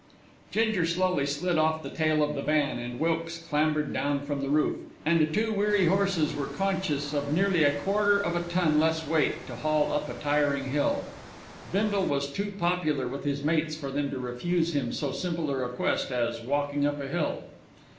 Ginger slowly slid off the tail of the van, and Wilkes clambered down from the roof, and two weary horses were conscious of nearly a quarter of a ton less weight to haul up a tiring hill. Bindle was too popular with his mates for them to refuse him so simple a request as walking up a hill.